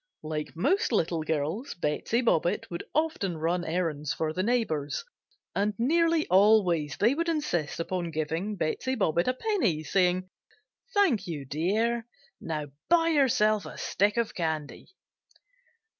Like most little girls, Betsey Bobbitt would often run errands for the neighbors and nearly always they would insist upon giving Betsey Bobbitt a penny, saying: "Thank you, dear; now buy yourself a stick of candy."